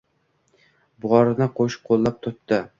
Borini qo’shqo’llab tutdi